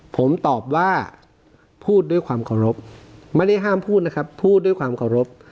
ผมตอบว่าพูดด้วยความเคารพไม่ได้ห้ามพูดนะครับพูดด้วยความเคารพ